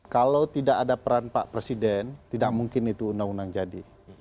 kalau tidak ada peran pak presiden tidak mungkin itu undang undang jadi